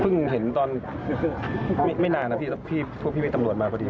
เห็นตอนไม่นานนะพี่พวกพี่เป็นตำรวจมาพอดี